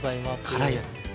辛いやつですね。